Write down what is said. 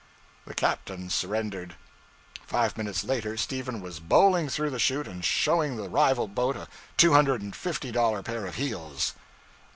The captain surrendered. Five minutes later Stephen was bowling through the chute and showing the rival boat a two hundred and fifty dollar pair of heels.